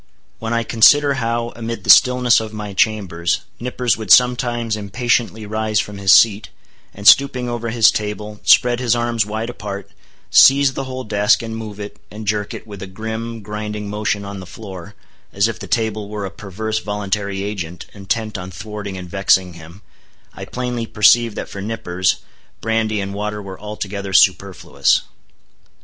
When I consider how, amid the stillness of my chambers, Nippers would sometimes impatiently rise from his seat, and stooping over his table, spread his arms wide apart, seize the whole desk, and move it, and jerk it, with a grim, grinding motion on the floor, as if the table were a perverse voluntary agent, intent on thwarting and vexing him; I plainly perceive that for Nippers, brandy and water were altogether superfluous.